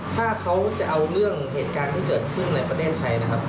ถ้าเขาจะเอาเรื่องเหตุการณ์ที่เกิดขึ้นในประเทศไทยนะครับ